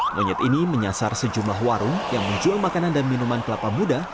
monyet ini menyasar sejumlah warung yang menjual makanan dan minuman kelapa muda